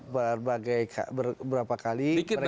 berbagai berapa kali mereka bertemu